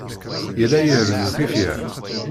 Yella irennu tifyar.